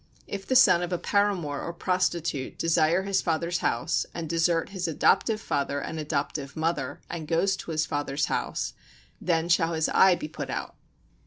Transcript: If the son of a paramour or a prostitute desire his father's house, and desert his adoptive father and adoptive mother, and goes to his father's house, then shall his eye be put out.